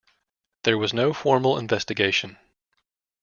There was no formal investigation.